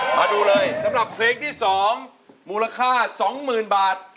มาดูเลยสำหรับเพลงที่สองมูลค่าสองหมื่นบาท